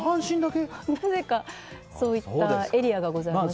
なぜかそういったエリアがございまして。